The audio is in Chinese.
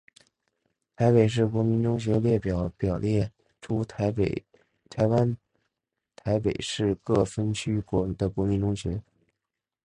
台北市国民中学列表表列出台湾台北市各分区的国民中学。